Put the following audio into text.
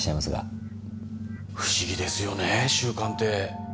不思議ですよね習慣って。